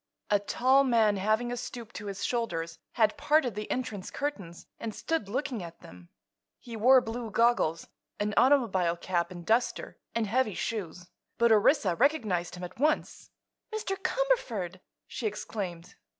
A tall man, having a stoop to his shoulders, had parted the entrance curtains and stood looking at them. He wore blue goggles, an automobile cap and duster, and heavy shoes; but Orissa recognized him at once. "Mr. Cumberford!" she exclaimed.